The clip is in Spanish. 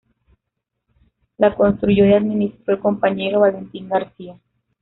La construyó y administró el compañero, Valentín García.